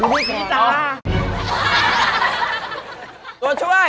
ดูนี่แค่หื้มจา